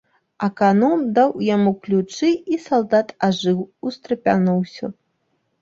Аканом даў яму ключы, і салдат ажыў, устрапянуўся.